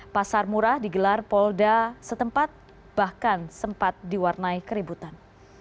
pasar murah digelar polda setempat bahkan sempat diwarnai keributan